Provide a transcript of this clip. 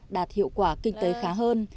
đạt hiệu quả kinh tế khá hơn